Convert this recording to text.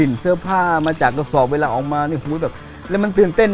ดินเสื้อผ้ามาจากเกษาสเมราออกมาแล้วมันเวลาสิ่งเต้น